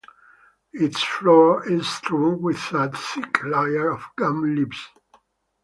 Its floor is strewn with a thick layer of gum leaves.